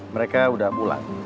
mereka udah pulang